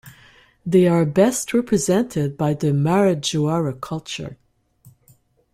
They are best represented by the Marajoara culture.